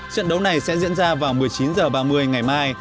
trận đấu này sẽ diễn ra vào một mươi chín h ba mươi ngày mai